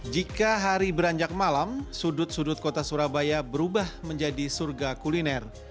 jika hari beranjak malam sudut sudut kota surabaya berubah menjadi surga kuliner